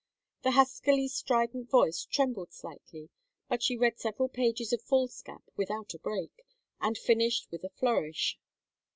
The huskily strident voice trembled slightly, but she read several pages of foolscap without a break, and finished with a flourish.